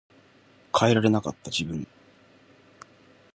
変えられなかった自分